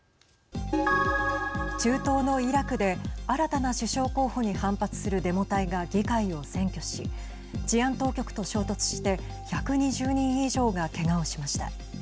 中東のイラクで新たな首相候補に反発するデモ隊が議会を占拠し治安当局と衝突して１２０人以上がけがをしました。